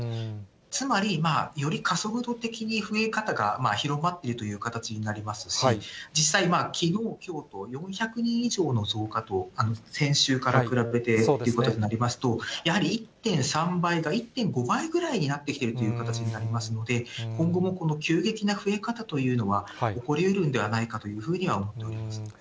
つまり、より加速度的に増え方が広まっているという形になりますし、実際、きのうきょうと４００人以上の増加と、先週から比べてということになりますと、やはり１．３倍か、１．５倍ぐらいになってきているという形になりますので、今後も急激な増え方というのは起こりうるんではないかというふうに思っております。